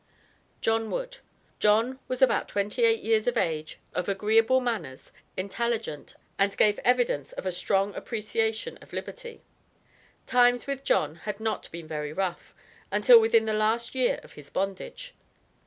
JOHN WOOD. John was about twenty eight years of age, of agreeable manners, intelligent, and gave evidence of a strong appreciation of liberty. Times with John had "not been very rough," until within the last year of his bondage.